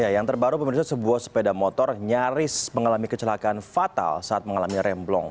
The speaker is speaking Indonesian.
yang terbaru pemerintah sebuah sepeda motor nyaris mengalami kecelakaan fatal saat mengalami remblong